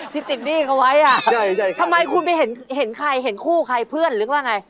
ที่ติดนี่ก็ไว้อะเพราะมายคุณเห็นใครเห็นคู่ใครเพื่อนหรือเปล่าไง